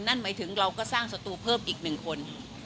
นั่นหมายถึงเราก็สร้างสตูเพิ่มอีกหนึ่งคน